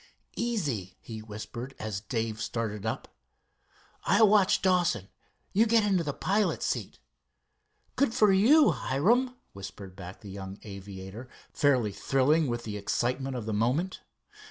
"Easy," he whispered, as Dave started up. "I'll watch Dawson. You get into the pilot's seat." "Good for you, Hiram!" whispered back the young aviator, fairly thrilling with the excitement of the moment.